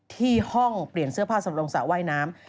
ที่ห้องเปลี่ยนเสื้อผ้าสำรงสระว่ายน้ำ